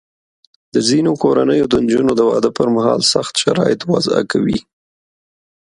د ځینو کورنیو د نجونو د واده پر مهال سخت شرایط وضع کوي.